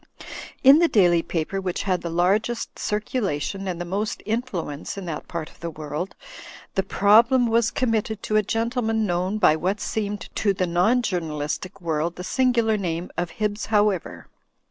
In the daily paper which had the largest circulation and the most influence in that part of the world, the prob lem was; committed to a gentleman known by what seemed to the non journalistic world the singular name of Hibbs However.